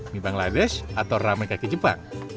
mie bangladesh atau ramen kaki jepang